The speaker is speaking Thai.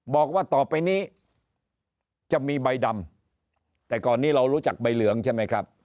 บอกว่าต่อไปนี้จะมีใบดำแต่ก่อนนี้เรารู้จักใบเหลืองใช่ไหมครับ